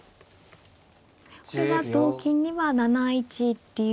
これは同金には７一竜。